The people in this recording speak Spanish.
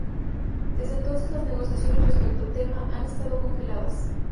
Desde entonces las negociaciones respecto al tema han estado congeladas.